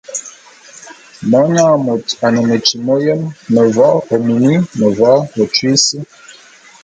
Monyang môt a ne metyi m'oyém; mevo'o ô mini, mevo'o ô tyui sí.